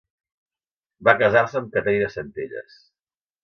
Va casar-se amb Caterina Centelles.